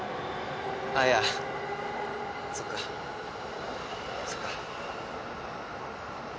あっいやそっかそっか。